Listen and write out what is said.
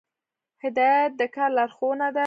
هدایت د کار لارښوونه ده